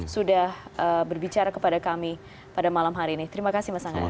sudah berbicara kepada kami pada malam hari ini terima kasih mas angga